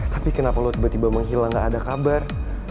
tapi kenapa lo tiba tiba menghilang nggak ada kabar